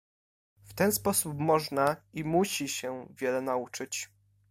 "W ten sposób można i musi się wiele nauczyć."